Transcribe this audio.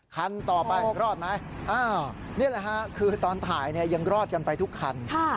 คันต่อไปรอดมั้ยนี่แหละค่ะคือตอนถ่ายยังรอดกันไปทุกคัน